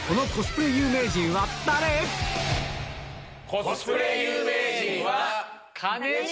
コスプレ有名人は。